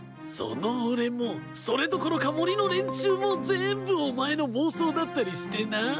その俺もそれどころか森の連中も全部お前の妄想だったりしてな。